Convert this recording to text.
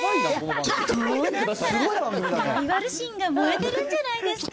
こうなったらライバル心が燃えてるんじゃないですか。